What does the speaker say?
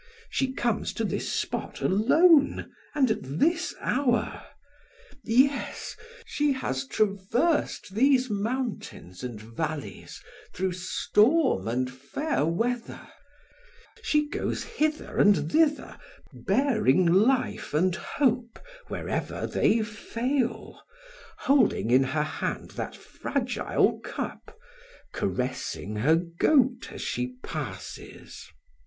She comes to this spot alone, and at this hour? Yes, she has traversed these mountains and valleys through storm and fair weather, she goes hither and thither, bearing life and hope wherever they fail, holding in her hand that fragile cup, caressing her goat as she passes.